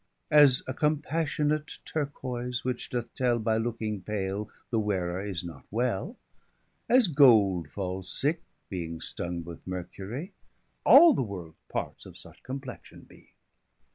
As a compassionate Turcoyse which doth tell By looking pale, the wearer is not well, As gold falls sicke being stung with Mercury, 345 All the worlds parts of such complexion bee.